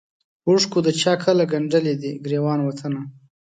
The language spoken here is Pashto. اوښکو د چا کله ګنډلی دی ګرېوان وطنه